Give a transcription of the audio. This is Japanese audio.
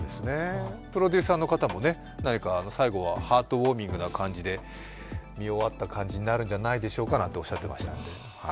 プロデューサーの方も最後はハートウオーミングみたいな感じで見終わった感じになるんじゃないでしょうかなんておっしゃっていました。